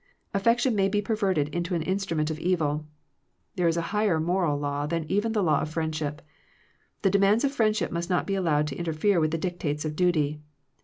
AflFection may be perverted into an instrument of evil. There is a higher moral law than even the law of friendship. The demands of friendship must not be allowed to interfere with the dictates of duty.